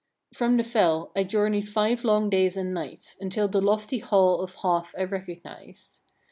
13. From the fell I journeyed five long days and nights, until the lofty hall of Half I recognized.